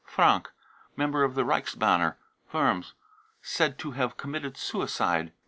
frangk, member of the Reichsbanner, Worms, said to have committed suicide.